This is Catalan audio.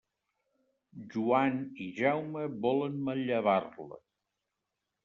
Joan i Jaume volen manllevar-la.